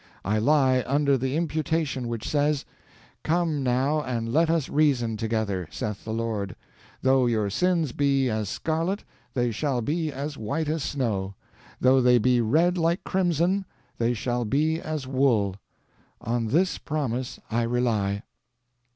I lie under the imputation which says, 'Come now and let us reason together, saith the Lord: though your sins be as scarlet, they shall be as white as snow; though they be red like crimson, they shall be as wool.' On this promise I rely."